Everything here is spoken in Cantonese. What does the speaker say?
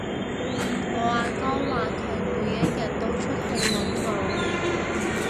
我阿哥話佢每一日都出去搵我